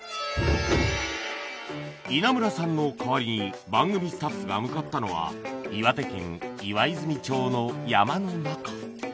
稲村さんの代わりに番組スタッフが向かったのはの山の中